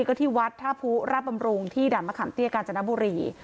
ก็ที่วัดท่าภูระบำรุงที่ด่ารมคัมเตี้ยกาลจนบรี